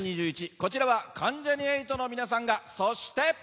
こちらは関ジャニ∞の皆さんがそして。